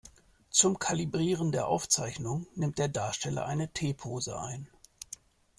Zum Kalibrieren der Aufzeichnung nimmt der Darsteller eine T-Pose ein.